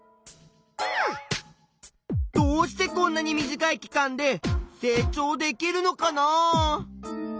どうしてこんなに短い期間で成長できるのかなあ。